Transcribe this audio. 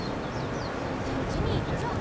先生んちに行っちょっ。